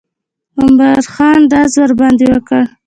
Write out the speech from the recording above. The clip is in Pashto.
عمرا خان ډز ورباندې وکړ.